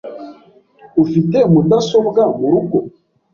Ufite mudasobwa murugo?